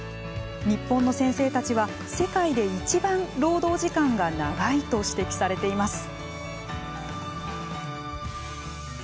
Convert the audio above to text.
日本の先生たちは世界で一番労働時間が長いと指摘されています。